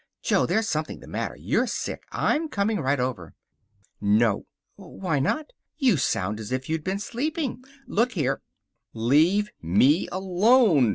"Jo, there's something the matter. You're sick. I'm coming right over." "No!" "Why not? You sound as if you'd been sleeping. Look here " "Leave me alone!"